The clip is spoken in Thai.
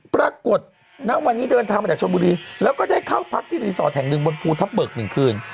ปรากฏณวันนี้เดินทางมาจากชนบุรีแล้วก็ได้เข้าพักที่รีสอร์ทแห่งหนึ่งบนภูทับเบิก๑คืน